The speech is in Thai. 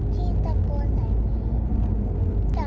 ที่ตะโกนใส่แม่